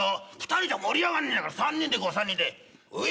２人じゃ盛り上がんねえから３人でいこう。